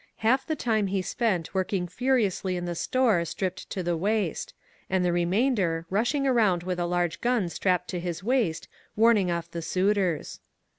Halif the time he spent working furiously in the store, stripped to the waist; and the remainder, rushing around with a large gun strapped to his waist, warning off the suitors.